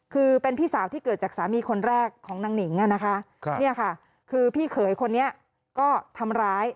คือเป็นพี่สาวที่เกิดจากสามีคนแรกของนางหนิงอ่ะนะคะเนี่ยค่ะคือพี่เขยคนนี้ก็ทำร้าย